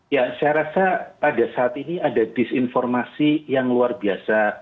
ya saya rasa pada saat ini ada disinformasi yang luar biasa